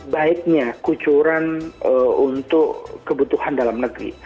baiknya kucuran untuk kebutuhan dalam negeri